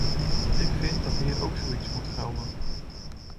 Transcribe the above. Ik vind dat hier ook zoiets moet gelden.